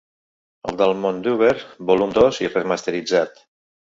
«El del Mondúber» volum dos i remasteritzat.